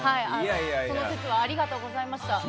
その節はありがとうございました。